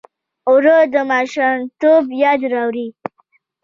اوړه د ماشومتوب یاد راوړي